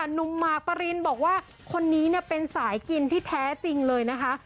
หมากปรินบอกว่าคนนี้เป็นสายกินที่แท้จริงเลยนะคะ